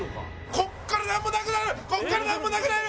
ここからなんもなくなる！